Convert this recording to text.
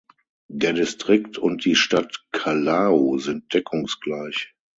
Der Distrikt und die Stadt Callao sind deckungsgleich.